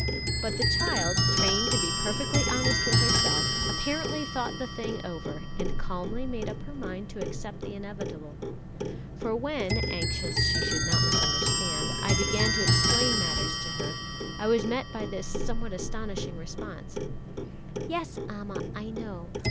But the child, trained to be perfectly honest with herself, apparently thought the thing over, and calmly made up her mind to accept the inevitable; for when, anxious she should not misunderstand, I began to explain matters to her, I was met by this somewhat astonishing response: "Yes, Amma, I know.